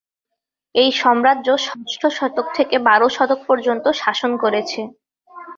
এই সম্রাজ্য ষষ্ঠ শতক থেকে বার শতক পর্যন্ত শাসন করেছে।